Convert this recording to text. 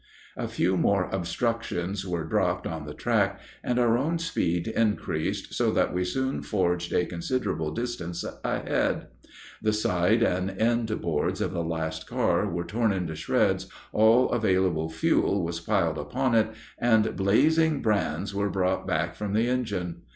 A few more obstructions were dropped on the track, and our own speed increased so that we soon forged a considerable distance ahead. The side and end boards of the last car were torn into shreds, all available fuel was piled upon it, and blazing brands were brought back from the engine.